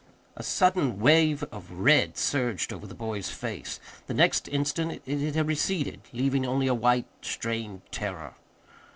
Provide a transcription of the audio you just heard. A sudden wave of red surged over the boy's face. The next instant it had receded, leaving only a white, strained terror.